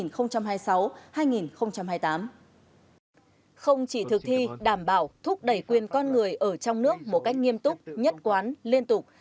không chỉ thực thi đảm bảo thúc đẩy quyền con người ở trong nước một cách nghiêm túc nhất quán liên tục